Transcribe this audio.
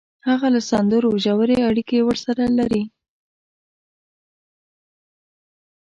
هغه له سندونو ژورې اړیکې ورسره لري